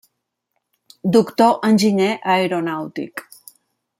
Doctor enginyer aeronàutic.